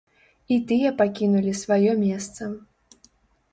І тыя пакінулі сваё месца.